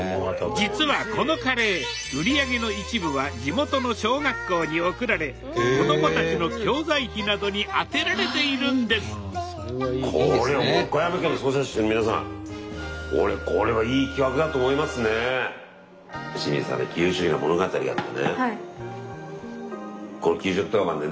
実はこのカレー売り上げの一部は地元の小学校に送られ子どもたちの教材費などに充てられているんです清水さんね